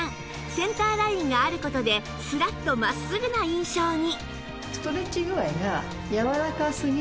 センターラインがある事でスラッとまっすぐな印象に